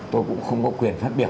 tôi cũng không có quyền phát biểu